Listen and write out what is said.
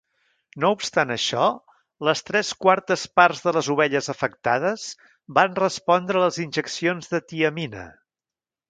No obstant això, les tres quartes parts de les ovelles afectades van respondre a les injeccions de tiamina.